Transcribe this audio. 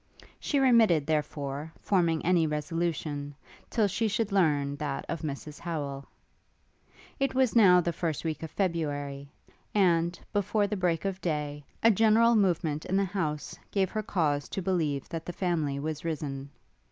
She remitted, therefore, forming any resolution, till she should learn that of Mrs Howel. It was now the first week of February, and, before the break of day, a general movement in the house gave her cause to believe that the family was risen.